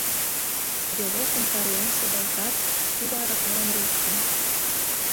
Стрелокым тарлен шогалтат, тудо аракалан руыкта.